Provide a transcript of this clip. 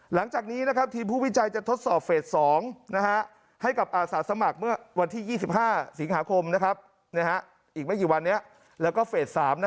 หลังจากนี้ทีมผู้วิจัยจะทดสอบเฟส๒ให้กับอาสาสมัครเมื่อวันที่๒๕สิงหาคมอีกไม่กี่วันนี้แล้วก็เฟส๓